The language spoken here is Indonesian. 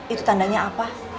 itu tandanya apa